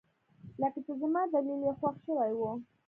لکه چې زما دليل يې خوښ شوى و.